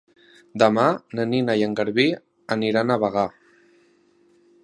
Demà na Nina i en Garbí aniran a Bagà.